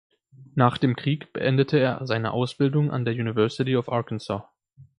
Nach dem Krieg beendete er seine Ausbildung an der University of Arkansas.